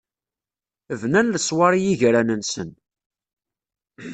Bnan leṣwaṛ i yigran-nsen.